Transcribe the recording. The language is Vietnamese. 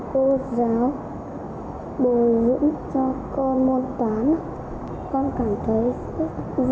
cô giáo bồi dưỡng cho con môn toán con cảm thấy rất vui